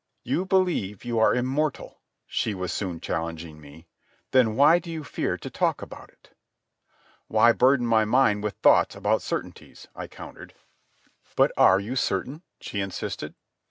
"You believe you are immortal," she was soon challenging me. "Then why do you fear to talk about it?" "Why burden my mind with thoughts about certainties?" I countered. "But are you certain?" she insisted.